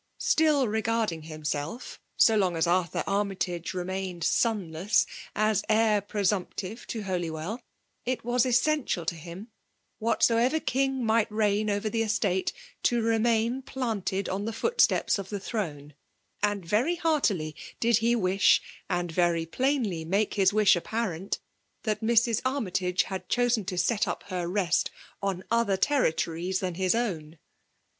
Still regarding himself, so long as Arthur Armytage remained sonless, tu heir presumptive to Holywell« it was es sential to him, whatsoever kiiig might reign 306 PBM AI£ DOHINATIOM. orrer the eatsle, to rennin planted on the fiiei itept of the tiirone; and yotj heartilj did he ymii, and very plainly make his wish apparent, thai Mrs. Armytage had Aouem to set up her rest on other territories tiiaii hit ami.